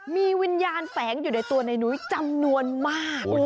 มีวิญญาณแฝงอยู่ในตัวในนุ้ยจำนวนมาก